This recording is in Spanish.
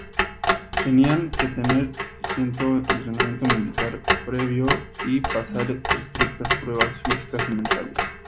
Tenían que tener cierto entrenamiento militar previo, y pasar estrictas pruebas físicas y mentales.